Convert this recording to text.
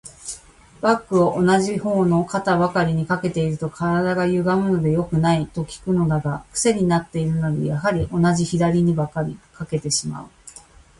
バッグを同じ方の肩ばかりに掛けていると、体がゆがむので良くない、と聞くのだが、クセになっているので、やはり同じ左にばかり掛けてしまう。